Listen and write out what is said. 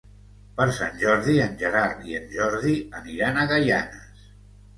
Per Sant Jordi en Gerard i en Jordi aniran a Gaianes.